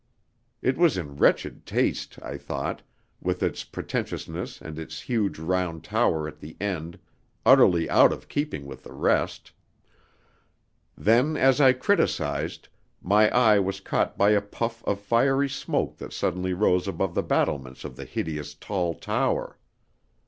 It was in wretched taste, I thought, with its pretentiousness and its huge round tower at the end, utterly out of keeping with the rest. Then, as I criticised, my eye was caught by a puff of fiery smoke that suddenly rose above the battlements of the hideous tall tower.